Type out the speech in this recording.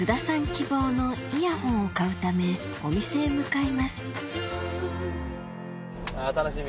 希望のイヤホンを買うためお店へ向かいますあ楽しみ！